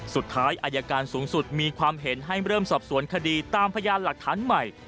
อายการสูงสุดมีความเห็นให้เริ่มสอบสวนคดีตามพยานหลักฐานใหม่